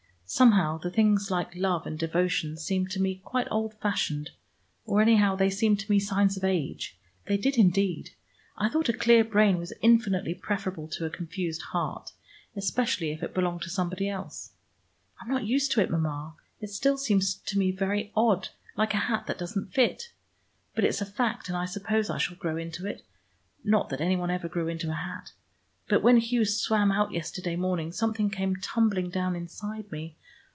Somehow the things like love and devotion seemed to me quite old fashioned, or anyhow they seemed to me signs of age. They did, indeed. I thought a clear brain was infinitely preferable to a confused heart, especially if it belonged to somebody else. I'm not used to it, Mama: it still seems to me very odd like a hat that doesn't fit. But it's a fact, and I suppose I shall grow into it, not that any one ever grew into a hat. But when Hugh swam out yesterday morning, something came tumbling down inside me.